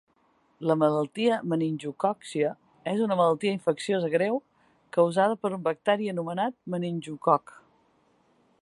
La malaltia meningocòccia és una malaltia infecciosa greu causada per un bacteri anomenat meningococ.